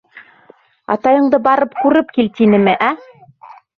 — Атайыңды барып күреп кил, тинеме, ә?